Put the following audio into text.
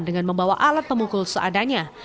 dengan membawa alat pemukul seadanya